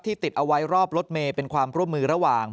ติดเอาไว้รอบรถเมย์เป็นความร่วมมือระหว่าง